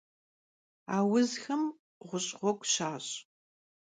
Auzxem ğuş' ğuegu şaş'.